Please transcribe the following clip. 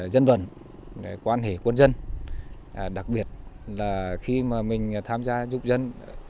dân vận quan hệ quân dân đặc biệt là khi mà mình tham gia giúp dân